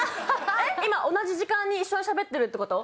今同じ時間に一緒にしゃべってるってこと？